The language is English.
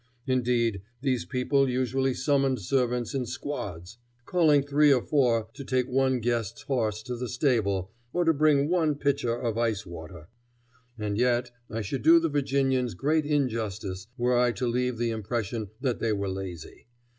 Indeed, these people usually summoned servants in squads, calling three or four to take one guest's horse to the stable or to bring one pitcher of ice water. And yet I should do the Virginians great injustice were I to leave the impression that they were lazy.